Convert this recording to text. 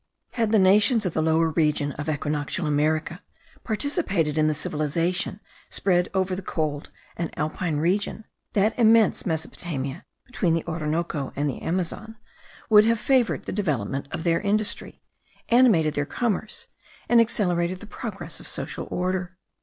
Had the nations of the lower region of equinoctial America participated in the civilization spread over the cold and alpine region, that immense Mesopotamia between the Orinoco and the Amazon would have favoured the development of their industry, animated their commerce, and accelerated the progress of social order.